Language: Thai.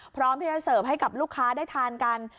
พร้อมที่จะเสิร์ฟให้กับลูกค้าได้ทานกัน